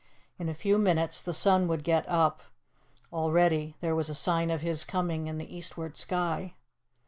In a few minutes the sun would get up; already there was a sign of his coming in the eastward sky.